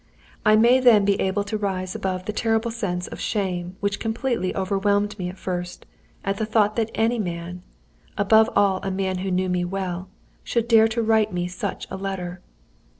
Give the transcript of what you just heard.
"I may then be able to rise above the terrible sense of shame which completely overwhelmed me at first, at the thought that any man above all a man who knew me well should dare to write me such a letter!